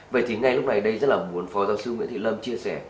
vậy thì ngay lúc này đây rất là muốn phó giáo sư nguyễn thị lâm chia sẻ